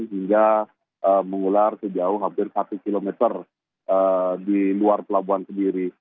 hingga mengular sejauh hampir satu km di luar pelabuhan sendiri